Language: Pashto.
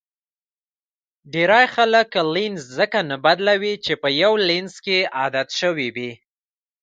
ډېری خلک لینز ځکه نه بدلوي چې په یو لینز کې عادت شوي وي.